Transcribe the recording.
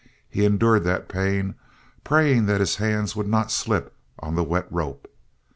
He endured that pain, praying that his hands would not slip on the wet rope.